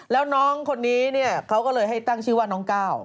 แล้วน้องคนนี้เนี่ยเขาก็เลยให้ตั้งชื่อว่าน้องก้าว